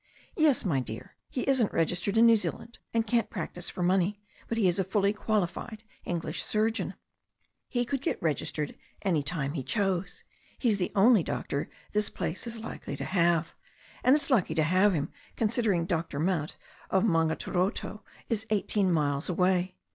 "Yes, my dear. He isn't registered in New Zealand, and can't practise for money, but he is a fully qualified English surgeon. He could get registered any time he chose. He's the only doctor this place is likely to have. And it's lucky to have him, considering Dr. Mount, of Maungaturoto, is eighteen miles away."